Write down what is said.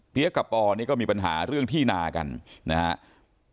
กับปอนี่ก็มีปัญหาเรื่องที่นากันนะครับ